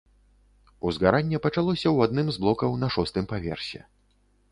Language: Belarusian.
Узгаранне пачалося ў адным з блокаў на шостым паверсе.